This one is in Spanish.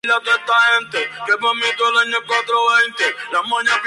En este período cae la presentación de artículos.